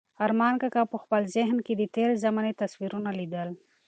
ارمان کاکا په خپل ذهن کې د تېرې زمانې تصویرونه لیدل.